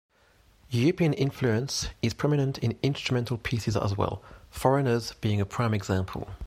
European influence is prominent in instrumental pieces as well, "Foreigners" being a prime example.